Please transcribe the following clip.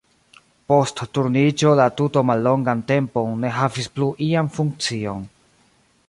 Post Turniĝo la tuto mallongan tempon ne havis plu ian funkcion.